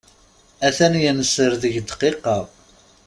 A-t-an yenser deg ddqiqa.